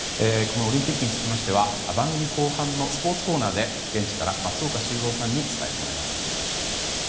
オリンピックにつきましては番組後半のスポーツコーナーで現地から、松岡修造さんに伝えてもらいます。